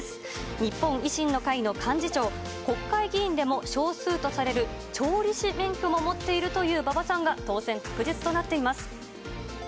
日本維新の会の幹事長、国会議員でも少数とされる調理師免許も持っているという馬場さんが、当選確実となっています。